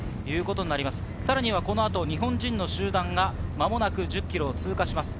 この後、日本人の集団が間もなく１０ｋｍを通過します。